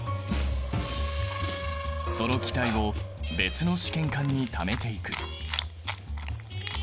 その気体を別の試験管にためていく。